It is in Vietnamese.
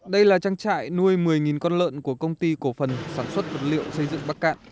đây là trang trại nuôi một mươi con lợn của công ty cổ phần sản xuất vật liệu xây dựng bắc cạn